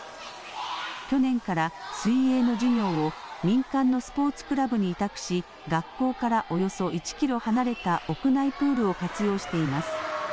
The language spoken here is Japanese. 去年から水泳の授業を民間のスポーツクラブに委託し、学校からおよそ１キロ離れた屋内プールを活用しています。